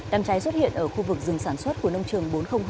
nó xuất hiện ở khu vực rừng sản xuất của nông trường bốn trăm linh hai